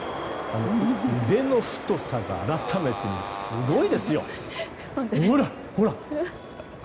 腕の太さが改めて見るとすごいですよ！